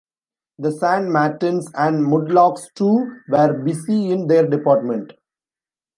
The sand-martins, and mudlarks, too, were busy in their department.